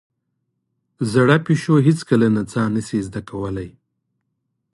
زاړه پيشو هېڅکله نڅا نه شي زده کولای.